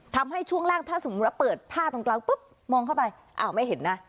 ช่วงล่างถ้าสมมุติว่าเปิดผ้าตรงกลางปุ๊บมองเข้าไปอ้าวไม่เห็นนะ